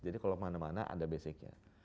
jadi kalau mana mana ada basicnya